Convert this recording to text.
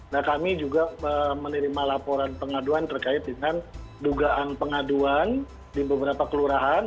nah kami juga menerima laporan pengaduan terkait dengan dugaan pengaduan di beberapa kelurahan